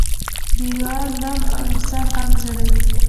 - دیوال نم او انسان غم زړوي.